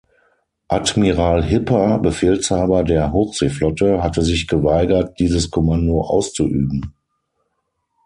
Admiral Hipper, Befehlshaber der Hochseeflotte, hatte sich geweigert, dieses Kommando auszuüben.